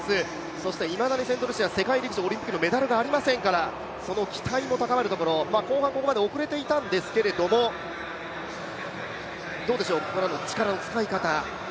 そしていまだにセントルシア、世界陸上、オリンピックのメダルはありませんからその期待も高まるところ、後半ここまで遅れていたんですけれども、どうでしょう、ここからの力の使い方。